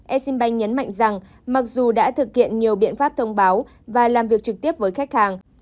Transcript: exim bank nhấn mạnh rằng mặc dù đã thực hiện nhiều biện pháp thông báo và làm việc trực tiếp với khách hàng